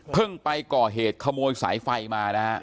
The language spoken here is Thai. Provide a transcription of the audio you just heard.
ไปก่อเหตุขโมยสายไฟมานะฮะ